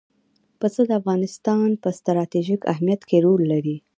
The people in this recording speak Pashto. پسه د افغانستان په ستراتیژیک اهمیت کې رول لري.